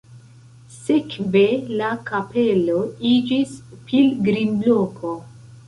Sekve la kapelo iĝis pilgrimloko.